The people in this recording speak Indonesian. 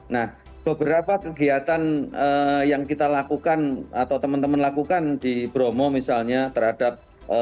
nah beberapa kegiatan yang kita lakukan atau teman teman lakukan di bromo misalnya terhadap